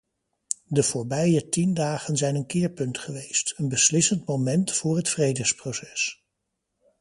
De voorbije tien dagen zijn een keerpunt geweest, een beslissend moment voor het vredesproces.